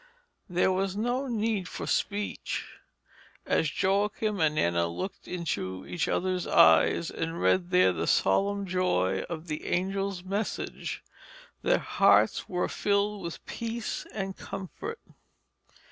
There was no need for speech. As Joachim and Anna looked into each other's eyes and read there the solemn joy of the angel's message, their hearts were filled with peace and comfort.